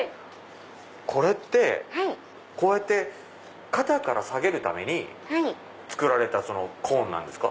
これってこうやって肩から提げるために作られたコーンなんですか？